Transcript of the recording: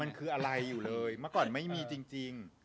มันคืออะไรอยู่เลยเมื่อก่อนไม่มีจริง